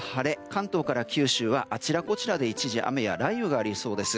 関東から九州はあちらこちらで、一時雨や雷雨がありそうです。